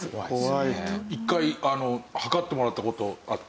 １回測ってもらった事あって。